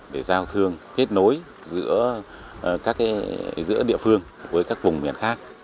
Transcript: để giao thương kết nối giữa địa phương với các vùng miền khác